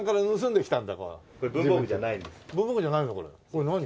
これ何？